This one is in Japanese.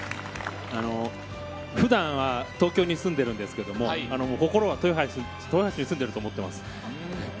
ふだんは東京に住んでるんですがもう、心は豊橋に住んでると思っています。